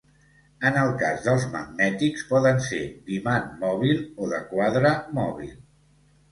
En el cas dels magnètics poden ser d'imant mòbil o de quadre mòbil.